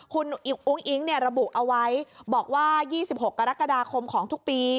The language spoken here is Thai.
คุณอุ้งอิ๊งระบุเอาไว้บอกว่า๒๖กรกฎาคมของทุกปี